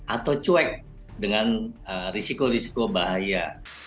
atau cuek dengan risiko risiko bahaya